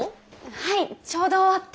はいちょうど終わって。